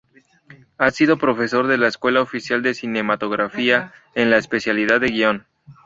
Ha sido profesor de la Escuela Oficial de Cinematografía, en la especialidad de Guion.